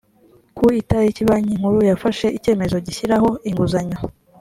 ku itariki banki nkuru yafashe icyemezo gishyiraho inguzanyo